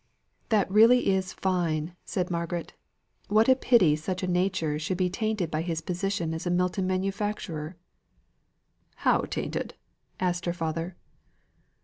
"That really is fine," said Margaret. "What a pity such a nature should be tainted by his position as a Milton manufacturer." "How tainted?" asked her father.